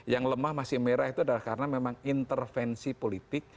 yang lemah masih merah itu adalah karena memang intervensi politik